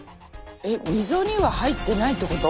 えっ溝には入ってないってこと？